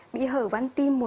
bị hở văn tim một bốn